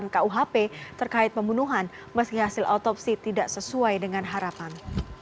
kuhp terkait pembunuhan meski hasil otopsi tidak sesuai dengan harapan